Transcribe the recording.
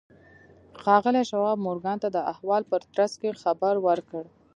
ښاغلي شواب مورګان ته د احوال په ترڅ کې خبر ورکړ